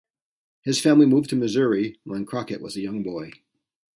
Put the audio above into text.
His family moved to Missouri when Crockett was a young boy.